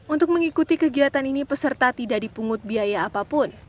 untuk mengikuti kegiatan ini peserta tidak dipungut biaya apapun